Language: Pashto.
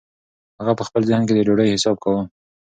هغه په خپل ذهن کې د ډوډۍ حساب کاوه.